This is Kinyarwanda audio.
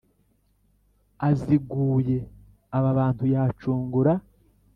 aziguye aba bantu yacungura